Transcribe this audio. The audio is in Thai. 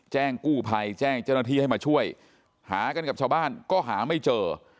แจ้งกู้ภัยแจ้งเจ้าหน้าที่ให้มาช่วยหากันกับชาวบ้านก็หาไม่เจอ